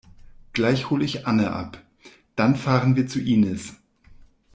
Gleich hol ich Anne ab. Dann fahren wir zu Inis.